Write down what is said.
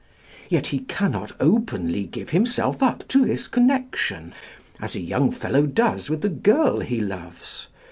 Yet he cannot openly give himself up to this connection, as a young fellow does with the girl he loves.